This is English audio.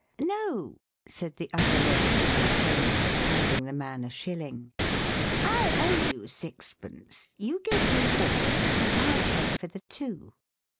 "No," said the other lady to her friend, handing the man a shilling, "I owe you sixpence, you give me fourpence and I'll pay for the two."